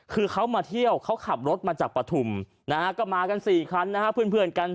คือเขามาเที่ยวเขาขับรถมาจากปฐุมนะฮะก็มากัน๔คันนะฮะเพื่อนกัน